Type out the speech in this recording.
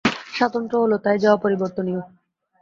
স্বাতন্ত্র্য হল তাই, যা অপরিবর্তনীয়।